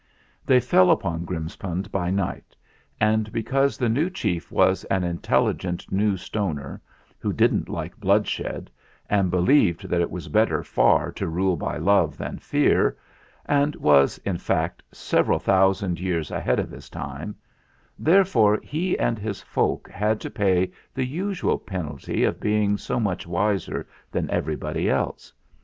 They fell upon Grimspound by night, and because the new chief was an intelligent New Stoner who didn't like bloodshed, and believed that it was better far to rule by love than fear, and was, in fact, several thousand years ahead of his time, therefore he and his folk had to pay the usual penalty of being so much wiser than everybody else.